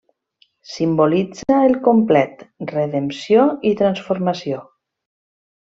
Simbolitza el complet, redempció i transformació.